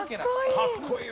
かっこいい！